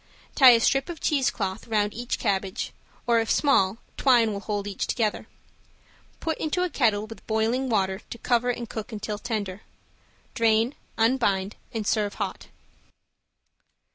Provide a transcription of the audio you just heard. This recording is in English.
Tie a strip of cheese cloth round each cabbage, or if small, twine will hold each together. Put into a kettle with boiling water to cover and cook until tender. Drain, unbind and serve hot.